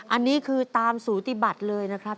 อันนี้คือตามสูติบัติเลยนะครับ